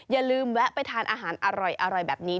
อย่าลืมแวะไปทานอาหารอร่อยแบบนี้